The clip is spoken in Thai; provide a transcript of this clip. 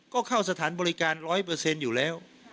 ก็เข้าสถานบริการร้อยเปอร์เซ็นต์อยู่แล้ว